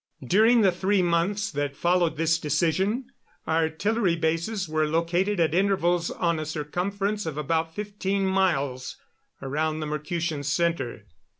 During the three months that followed this decision artillery bases were located at intervals on a circumference of about fifteen miles around the Mercutian center.